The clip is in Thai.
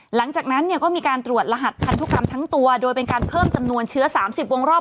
หลังจากนั้นเนี่ยก็มีการตรวจรหัสพันธุกรรมทั้งตัวโดยเป็นการเพิ่มจำนวนเชื้อ๓๐วงรอบ